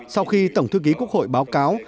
sau khi tổng thư ký quốc hội báo cáo